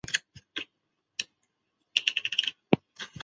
下议院。